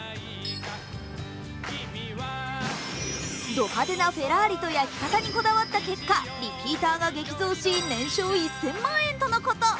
ド派手なフェラーリと焼き方にこだわった結果リピーターが激増し年商１０００万円とのこと。